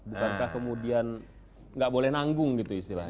bukankah kemudian nggak boleh nanggung gitu istilahnya